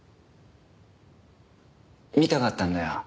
見たかったんだよ